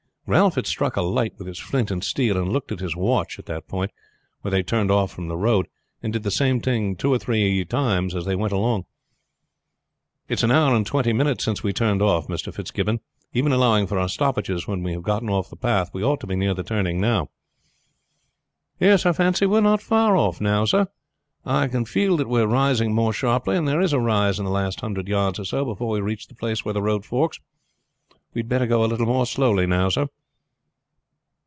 Ralph had struck a light with his flint and steel, and looked at his watch at the point where they turned off from the road, and he did the same thing two or three times as they went along. "It's an hour and twenty minutes since we turned off, Mr. Fitzgibbon. Even allowing for our stoppages when we have got off the path, we ought to be near the turning now." "Yes, I fancy we are not far off now, sir. I can feel that we are rising more sharply, and there is a rise in the last hundred yards or so before we reach the place where the road forks. We had better go a little more slowly now, sir."